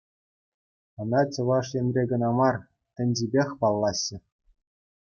Ӑна Чӑваш Енре кӑна мар, тӗнчипех паллаҫҫӗ.